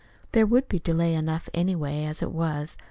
There would be delay enough, anyway, as it was.